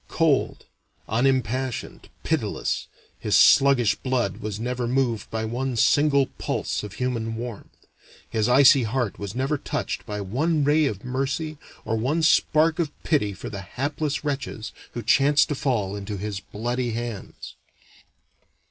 Cold, unimpassioned, pitiless, his sluggish blood was never moved by one single pulse of human warmth, his icy heart was never touched by one ray of mercy or one spark of pity for the hapless wretches who chanced to fall into his bloody hands.